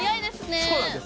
そうなんです。